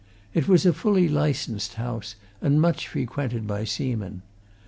It was a fully licensed house, and much frequented by seamen.